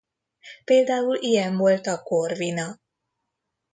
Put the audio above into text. Például ilyen volt a Corvina.